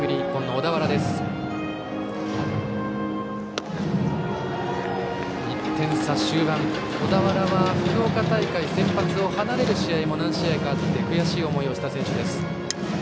小田原は福岡大会で先発を離れる試合も何試合かあって悔しい思いをした選手です。